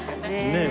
ねえ。